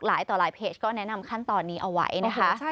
หลายต่อหลายเพจก็แนะนำขั้นตอนนี้เอาไว้นะคะ